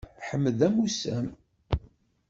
Ḥmed d amusam.